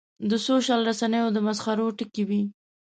د سوشل رسنیو د مسخرو ټکی وي.